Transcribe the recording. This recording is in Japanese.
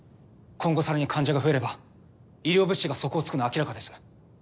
今後さらに患者が増えれば医療物資が底をつくのは明らかです。